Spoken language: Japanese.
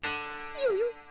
よよ。